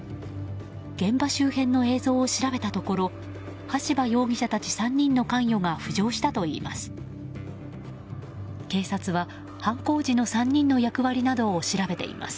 現場周辺の映像を調べたところ橋場容疑者たち３人の関与が浮上したといいます。